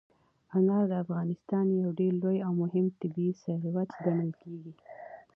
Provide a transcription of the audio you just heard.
انار د افغانستان یو ډېر لوی او مهم طبعي ثروت ګڼل کېږي.